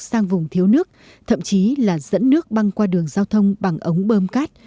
sang vùng thiếu nước thậm chí là dẫn nước băng qua đường giao thông bằng ống bơm cát